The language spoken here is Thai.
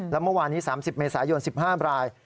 แล้วเมื่อวานนี้๓๐เมษายน๑๕ราย